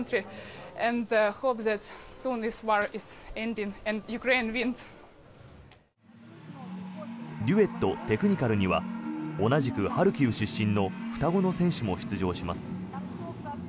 デュエット・テクニカルには同じくハルキウ出身の双子の選手も出場します。